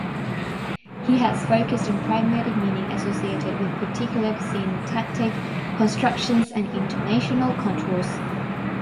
He has focused on pragmatic meaning associated with particular syntactic constructions and intonational contours.